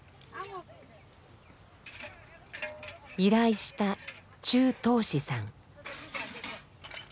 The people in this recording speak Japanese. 依頼した柱東子さん。